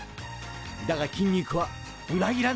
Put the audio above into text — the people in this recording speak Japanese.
だが筋肉は裏切らない！